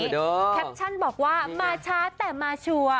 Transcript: แคปชั่นบอกว่ามาช้าแต่มาชัวร์